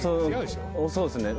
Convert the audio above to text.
そうですね。